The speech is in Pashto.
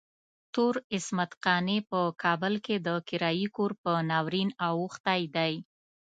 تور عصمت قانع په کابل کې د کرايي کور په ناورين اوښتی دی.